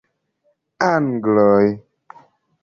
Angloj!